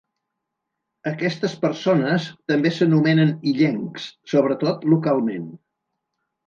Aquestes persones també s'anomenen "illencs", sobretot localment.